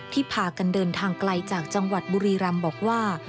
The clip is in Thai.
พากันเดินทางไกลจากจังหวัดบุรีรำบอกว่า